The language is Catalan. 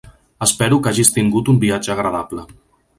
Espero que hagis tingut un viatge agradable.